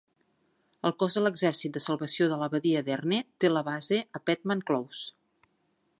El Cos de l'exèrcit de salvació de la badia de Herne té la base a Pettman Close.